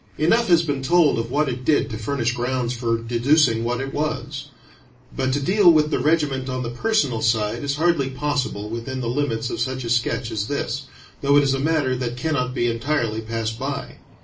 Enough has been told of what it did to furnish grounds for deducing what it was; but to deal with the regiment on the personal side is hardly possible within the limits of such a sketch as this, though it is a matter that cannot be entirely passed by.